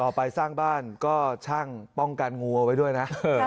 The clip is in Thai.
ต่อไปสร้างบ้านก็ช่างป้องกันงัวไปด้วยนะ